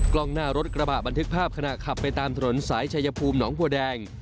กล้องหน้ารถกระบะบันทึกภาพขณะขับไปตามถนนสายชายภูมิหนองบัวแดง